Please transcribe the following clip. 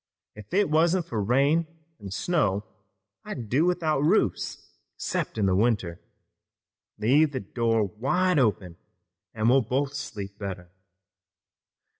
If it wasn't for rain an' snow I'd do without roofs 'cept in winter. Leave the door wide open, an' we'll both sleep better.